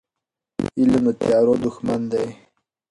علم د تیارو دښمن دی.